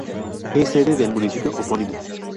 Es sede del municipio homónimo.